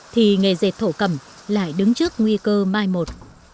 thì nghề dệt thổ cầm lại đứng trước nguy cơ mai một